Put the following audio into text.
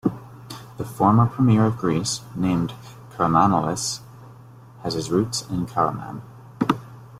The former premier of Greece, named Karamanlis, has his roots in Karaman.